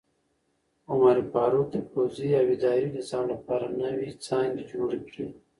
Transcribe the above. عمر فاروق د پوځي او اداري نظام لپاره نوې څانګې جوړې کړې.